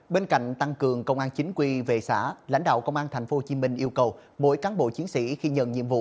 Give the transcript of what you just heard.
bên cạnh tăng cường công an chính quy về xã lãnh đạo công an tp hcm yêu cầu mỗi cán bộ chiến sĩ khi nhận nhiệm vụ